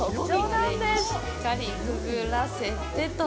タレにしっかりくぐらせて、と。